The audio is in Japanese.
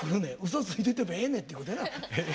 嘘ついててもええねんってことやな。